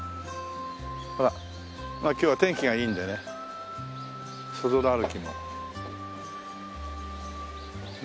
ほら今日は天気がいいんでねそぞろ歩きも。